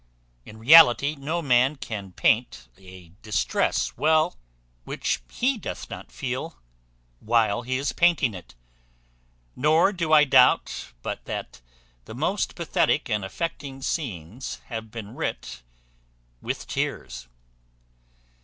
In reality, no man can paint a distress well which he doth not feel while he is painting it; nor do I doubt, but that the most pathetic and affecting scenes have been writ with tears.